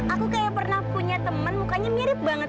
aku kayak pernah punya temen mukanya mirip banget